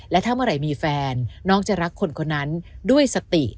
และถ้าเมื่อไหร่มีแฟนน้องจะรักคนคนนั้นด้วยสติ